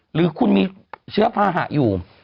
หรือคุณมีเชื้อภาหะอยู่